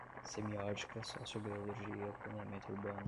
semiótica, sociobiologia, planeamento urbano